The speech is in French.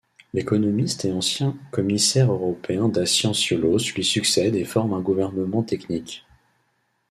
L'économiste et ancien commissaire européen Dacian Cioloș lui succède et forme un gouvernement technique.